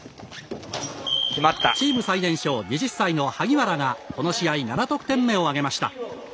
チーム最年少２０歳の萩原がこの試合７得点目を上げました。